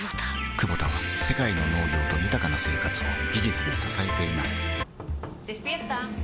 クボタは世界の農業と豊かな生活を技術で支えています起きて。